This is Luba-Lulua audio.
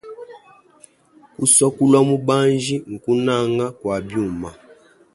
Kusua kulua mubanji, kunanga kua biuma.